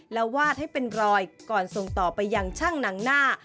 แล้ววาดให้เป็นรอยก่อนส่งต่อไปยังช่างหนังหน้า